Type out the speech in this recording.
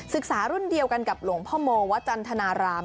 รุ่นเดียวกันกับหลวงพ่อโมวจันทนาราม